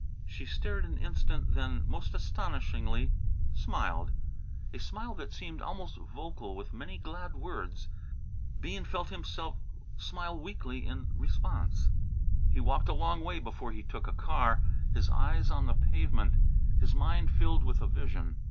She stared an instant then most astonishingly smiled, a smile that seemed almost vocal with many glad words. Bean felt himself smile weakly in response. He walked a long way before he took a car, his eyes on the pavement, his mind filled with a vision.